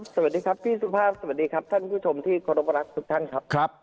สวัสดีครับพี่สุภาพสวัสดีครับท่านผู้ชมที่เคารพรักทุกท่านครับ